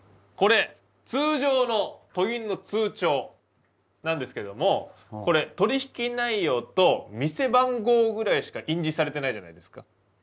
これ通常の都銀の通帳なんですけどもこれ取引内容と店番号ぐらいしか印字されてないじゃないですか。